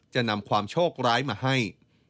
จะนำความโชคร้ายมาให้